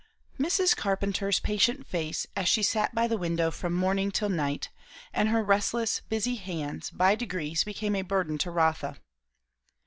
Mrs. Carpenter's patient face, as she sat by the window from morning till night, and her restless busy hands, by degrees became a burden to Rotha.